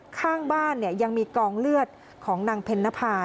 ข้างบ้านเนี่ยยังมีกองเลือดของนางเพ็ญนภา